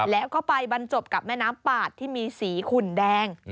แล้วก็ไปบรรจบกับแม่น้ำปาดที่มีสีขุ่นแดง